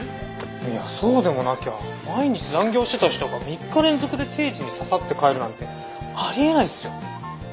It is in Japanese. いやそうでもなきゃ毎日残業してた人が３日連続で定時にササッて帰るなんてありえないっすよ。